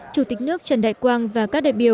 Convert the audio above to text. chủ tịch nước trần đại quang và các đại biểu